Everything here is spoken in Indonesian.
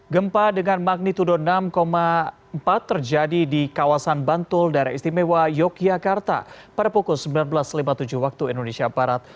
gempa dengan magnitudo enam empat terjadi di kawasan bantul daerah istimewa yogyakarta pada pukul sembilan belas lima puluh tujuh waktu indonesia barat